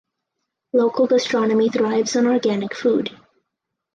Local gastronomy thrives on organic food.